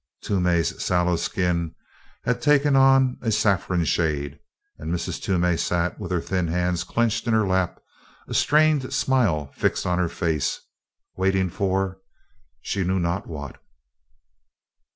Toomey's sallow skin had taken on a saffron shade, and Mrs. Toomey sat with her thin hands clenched in her lap, a strained smile fixed on her face, waiting for she knew not what.